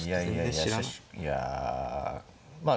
いやまあ